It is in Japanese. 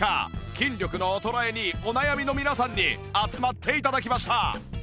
筋力の衰えにお悩みの皆さんに集まって頂きました